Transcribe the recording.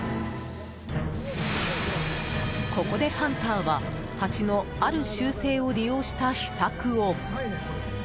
ここで、ハンターはハチのある習性を利用した秘策を。